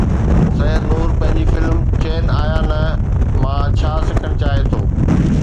سيد نور پنهنجي فلم چين آيا نه مان ڇا سکڻ چاهي ٿو؟